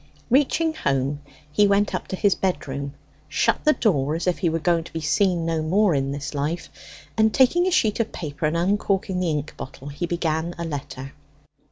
Reaching home he went up to his bedroom, shut the door as if he were going to be seen no more in this life, and taking a sheet of paper and uncorking the ink bottle, he began a letter.